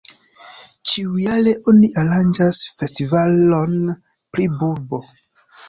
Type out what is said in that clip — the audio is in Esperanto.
Ĉiujare oni aranĝas festivalon pri bulbo.